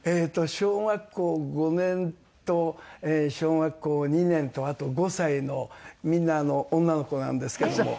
小学校５年と小学校２年とあと５歳のみんな女の子なんですけども。